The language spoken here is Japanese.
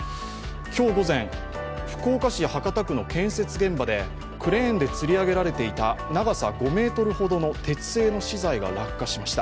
今日午前、福岡市博多区の建設現場でクレーンでつり上げられていた長さ５ｍほどの鉄製の資材が落下しました。